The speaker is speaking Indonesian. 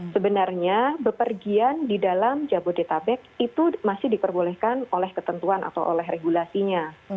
sebenarnya bepergian di dalam jabodetabek itu masih diperbolehkan oleh ketentuan atau oleh regulasinya